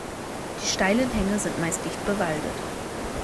Die steilen Hänge sind meist dicht bewaldet.